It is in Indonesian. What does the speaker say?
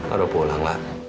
udah pulang lah